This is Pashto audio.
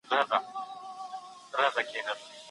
که تعلیم موخه ولري، هڅه بې پایلې نه کېږي.